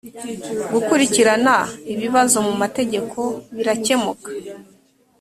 gukurikirana ibibazo mu mategeko birakemuka.